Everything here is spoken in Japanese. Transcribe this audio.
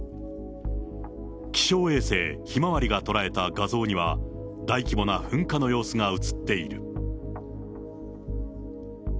気象衛星ひまわりが捉えた画像には、大規模な噴火の様子が写っている。